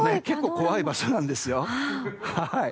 結構怖い場所なんです。